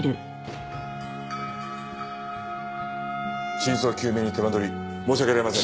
真相究明に手間取り申し訳ありません。